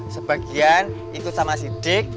sebagian ikut sama si dik